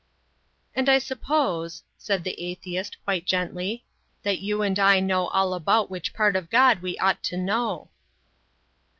"And I suppose," said the atheist, quite gently, "that you and I know all about which part of God we ought to know."